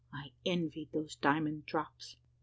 I envied those diamond drops!